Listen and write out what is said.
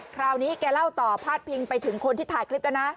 คราวนี้แกเล่าต่อพาดพิงไปถึงคนที่ถ่ายคลิปแล้วนะ